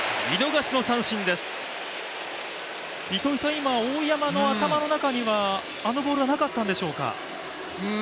今の大山の頭の中にはあのボールはなかったんでしょうか？